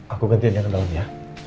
aku gantian yang ke dalam ya